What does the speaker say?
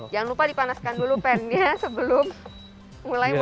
jangan lupa dipanaskan dulu pan nya sebelum mulai memasak